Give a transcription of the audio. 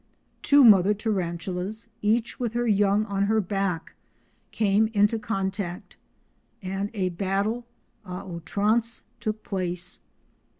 Two mother tarantulas, each with her young on her back, came into contact, and a battle à outrance took place.